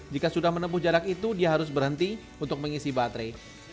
jika sudah menempuh jarak itu dia harus berhenti untuk mengisi baterai